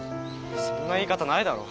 そんな言い方ないだろ。